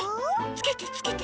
つけてつけて。